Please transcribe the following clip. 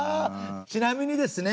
ちなみにですね